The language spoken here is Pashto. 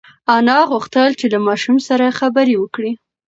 انا غوښتل چې له ماشوم سره خبرې وکړي.